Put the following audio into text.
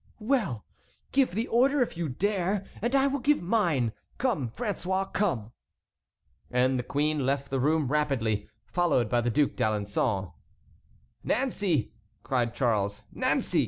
"Well! give the order, if you dare, and I will give mine! Come, François, come!" And the queen left the room rapidly, followed by the Duc d'Alençon. "Nancey!" cried Charles; "Nancey!